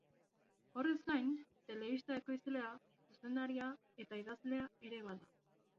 Horrez gain, telebista ekoizlea, zuzendaria eta idazlea ere bada.